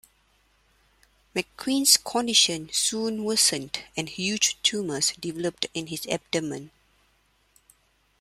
McQueen's condition soon worsened and "huge" tumors developed in his abdomen.